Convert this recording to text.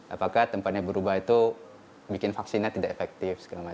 apakah tempatnya berubah itu bikin vaksinnya tidak efektif